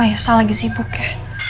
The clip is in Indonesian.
oh ya sal lagi sibuk ya